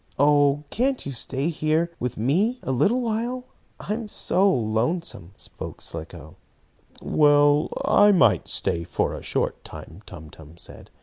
"Oh, can't you stay here with me a little while? I am so lonesome!" spoke Slicko. "Well, I might stay a short time," Tum Tum said.